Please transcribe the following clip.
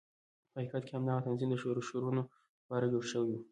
په حقیقت کې همدغه تنظیم د ښورښونو لپاره جوړ شوی و.